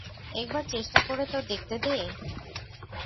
একবার চেষ্টা করে তো দেখতে দে?